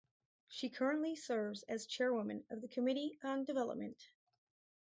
She currently serves as chairwoman of the Committee on Development.